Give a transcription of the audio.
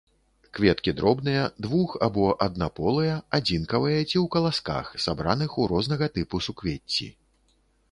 Кветкі дробныя, двух- або аднаполыя, адзінкавыя ці ў каласках, сабраных у рознага тыпу суквецці.